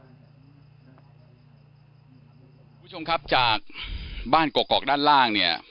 คุณผู้ชมครับจากบ้านกกอกด้านล่างเนี่ย